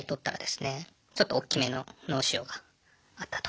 ちょっと大きめの脳腫瘍があったと。